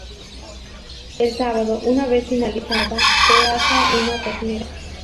El sábado, una vez finalizada, se asa una ternera.